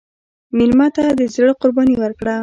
مېلمه ته د زړه قرباني ورکړه.